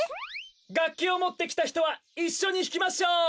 がっきをもってきたひとはいっしょにひきましょう！